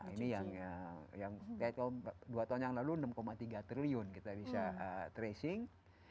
ini yang kayak dua tahun yang lalu enam tiga triliun kita bisa tracing